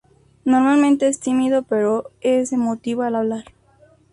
Normalmente es tímido pero es emotivo al hablar.